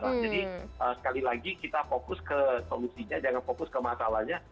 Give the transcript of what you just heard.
jadi sekali lagi kita fokus ke solusinya jangan fokus ke masalahnya